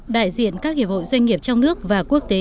đại diện các hiệp hội doanh nghiệp trong nước và quốc tế